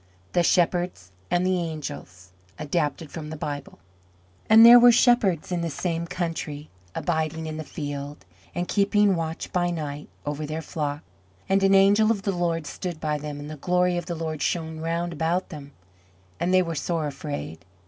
IV. THE SHEPHERDS AND THE ANGELS ADAPTED FROM THE BIBLE And there were shepherds in the same country abiding in the field, and keeping watch by night over their flock. And an angel of the Lord stood by them and the glory of the Lord shone round about them: and they were sore afraid.